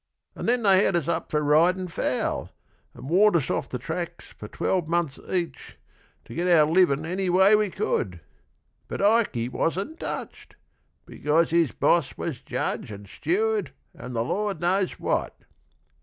And then they had us up for ridin' foul, And warned us off the tracks for twelve months each, To get our livin' any way we could; But Ikey wasn't touched, because his boss Was judge and steward and the Lord knows what.